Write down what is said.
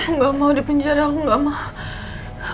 aku nggak mau dipenjara aku nggak mau